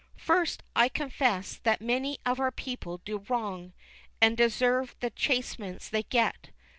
First I confess that many of our people do wrong, and deserve the chastisements they get.